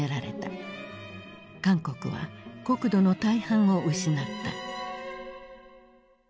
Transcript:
韓国は国土の大半を失った。